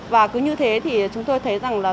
và cứ như thế thì chúng tôi thấy rằng là